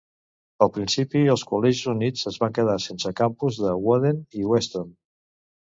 Al principi, els col·legis units es van quedar sense campus de Woden i Weston.